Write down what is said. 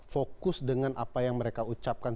fokus dengan apa yang mereka ucapkan